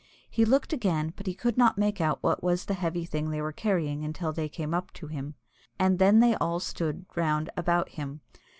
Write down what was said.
He looked again, but he could not make out what was the heavy thing they were carrying until they came up to him, and then they all stood round about him.